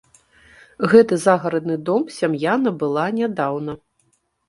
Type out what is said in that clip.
Гэты загарадны дом сям'я набыла нядаўна.